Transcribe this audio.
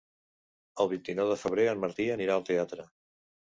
El vint-i-nou de febrer en Martí anirà al teatre.